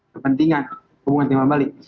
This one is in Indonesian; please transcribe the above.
kepentingan hubungan timah bali